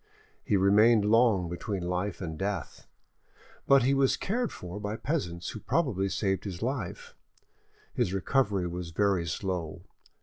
He remained long between life and death, but he was cared for by peasants who probably saved his life; his recovery was very slow.